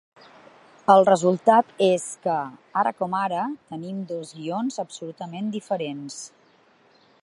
El resultat és que, ara com ara, tenim dos guions absolutament diferents.